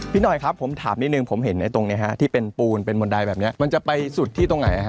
พี่หน่อยครับผมถามนิดนึงผมเห็นตรงนี้ฮะที่เป็นปูนเป็นบันไดแบบนี้มันจะไปสุดที่ตรงไหนฮะ